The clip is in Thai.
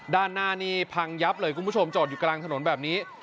ด้านหน้านี่พังยับเลยคุณผู้ชมจอดอยู่กลางถนนแบบนี้